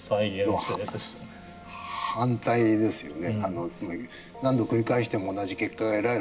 反対ですよね？